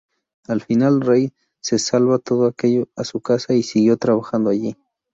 Al final, Ray se llevó todo aquello a su casa y siguió trabajando allí.